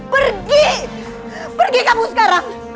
pergi pergi kamu sekarang